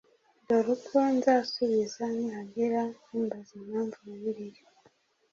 Dore Uko Nzasubiza Nihagira Umbaza Impamvu Bibiliya